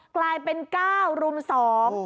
กลายเป็นเก้ารุมสอง